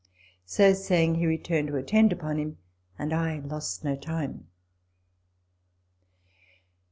So saying, he returned to attend upon him, and I lost no time.